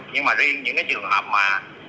nhưng mà riêng những cái trường hợp mà